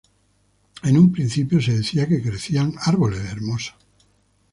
En un principio, se decía que crecían arboles hermosos.